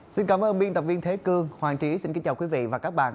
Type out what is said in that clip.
xin cảm ơn biên tập viên thế cương hoàng trí xin kính chào quý vị và các bạn